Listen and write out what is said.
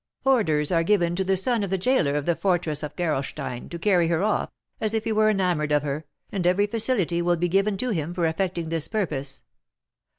Orders are given to the son of the gaoler of the fortress of Gerolstein to carry her off, as if he were enamoured of her, and every facility will be given to him for effecting this purpose.